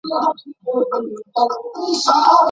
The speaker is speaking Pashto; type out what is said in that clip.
که د مراجعینو لپاره د څښاک اوبه وي، نو هغوی نه تږي کیږي.